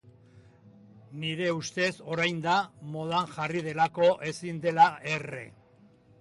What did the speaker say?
Nire ustez orain da, modan jarri delako ezin dela erre.